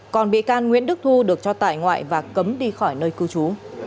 còn bị can nguyễn đức thu được cho tại ngoại và cấm đi khỏi nơi cư trú